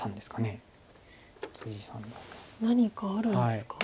何かあるんですか。